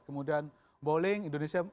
kemudian bowling indonesia